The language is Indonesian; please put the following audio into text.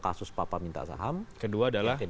kasus papa minta saham kedua adalah